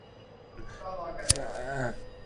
เรานอนกันในวันอาทิตย์